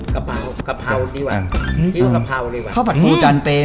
กระเป๋ากระเป๋าดีกว่าอื้อที่ว่ากระเป๋าดีกว่าเข้าผัดปูจันเตะ